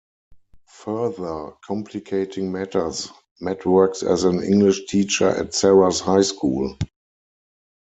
Further complicating matters, Matt works as an English teacher at Sarah's high school.